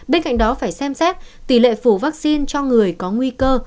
bên cạnh đó phải xem xét tỷ lệ phủ vaccine cho người có nguy cơ